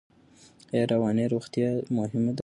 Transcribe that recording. ایا رواني روغتیا مهمه ده؟